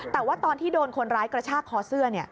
แต่ว่าตอนที่โดนคนร้ายกระชากคอเสื้อ